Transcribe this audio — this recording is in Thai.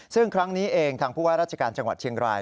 ซึ่งครั้งนี้เองทางผู้ว่าราชการจังหวัดเชียงราย